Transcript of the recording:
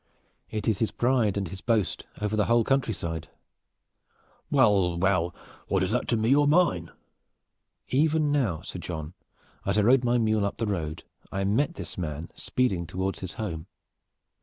It is his pride and his boast over the whole countryside." "Well, well, and what is this to me or mine?" "Even now, Sir John, as I rode my mule up the road I met this man speeding toward his home.